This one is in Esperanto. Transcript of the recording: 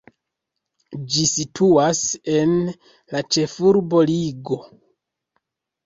Ĝi situas en la ĉefurbo Rigo.